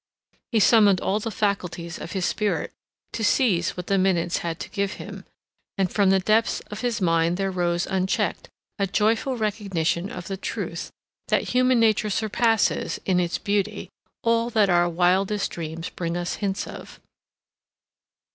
He summoned all the faculties of his spirit to seize what the minutes had to give him; and from the depths of his mind there rose unchecked a joyful recognition of the truth that human nature surpasses, in its beauty, all that our wildest dreams bring us hints of.